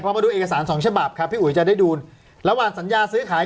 พอมาดูเอกสารสองฉบับครับพี่อุ๋ยจะได้ดูระหว่างสัญญาซื้อขาย